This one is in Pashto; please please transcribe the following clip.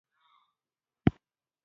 ښځې د ټولنې نميه برخه جوړوي.